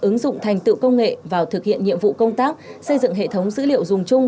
ứng dụng thành tựu công nghệ vào thực hiện nhiệm vụ công tác xây dựng hệ thống dữ liệu dùng chung